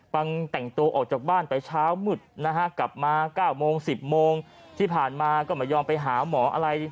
แต่งตัวออกจากบ้านไปเช้ามืดนะฮะกลับมา๙โมง๑๐โมงที่ผ่านมาก็ไม่ยอมไปหาหมออะไร